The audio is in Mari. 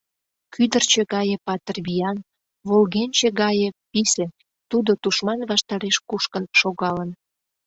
Кӱдырчӧ гае патыр виян, волгенче гае писе, тудо тушман ваштареш кушкын шогалын.